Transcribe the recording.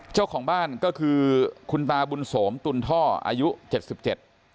เจ้าของบ้านก็คือคุณตาบุญโสมตุลท่ออายุเจ็ดสิบเจ็ด